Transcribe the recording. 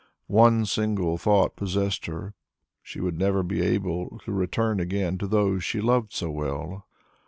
One single thought possessed her: she would never be able to return again to those she loved so well.